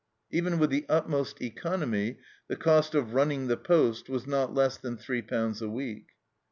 Even with the utmost economy the cost of running the poste was not less than three pounds a week.